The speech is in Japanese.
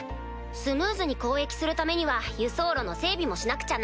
スムーズに交易するためには輸送路の整備もしなくちゃ